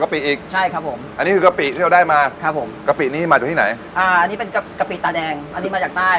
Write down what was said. เป็นเขาเรียกอะไรเป็นกุ้งกุ้งกุ้งขอยเล็กเล็กอะฮะอ่า